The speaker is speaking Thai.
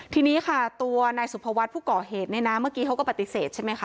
ทีนี้ค่ะตัวนายสุภวัฒน์ผู้ก่อเหตุเนี่ยนะเมื่อกี้เขาก็ปฏิเสธใช่ไหมคะ